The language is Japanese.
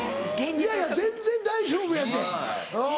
いやいや全然大丈夫やてうん。